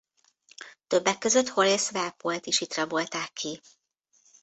Többek között Horace Walpole-t is itt rabolták ki.